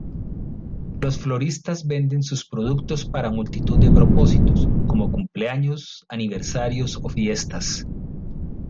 Los floristas venden sus productos para multitud de propósitos, como cumpleaños, aniversarios o fiestas.